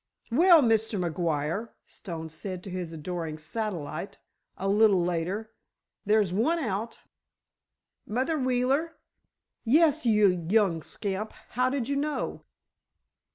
"Well, Mr. McGuire," Stone said to his adoring satellite, a little later, "there's one out." "Mother Wheeler?" "Yes, you young scamp; how did you know?"